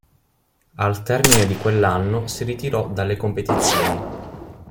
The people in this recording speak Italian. Al termine di quell'anno si ritirò dalle competizioni.